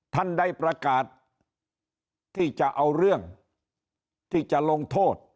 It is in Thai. ท่านได้ประกาศที่จะเอาเรื่องที่จะลงโทษ